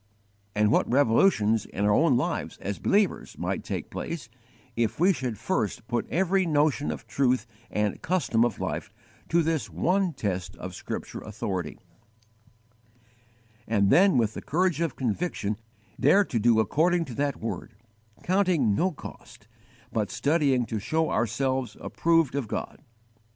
And what revolutions in our own lives as believers might take place, if we should first put every notion of truth and custom of life to this one test of scripture authority, and then with the courage of conviction dare to do according to that word counting no cost, but studying to show ourselves approved of God!